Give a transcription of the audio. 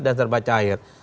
dan serba cair